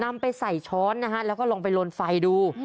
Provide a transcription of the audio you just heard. นำไปใส่ช้อนนะฮะแล้วก็ลงไปลนไฟดู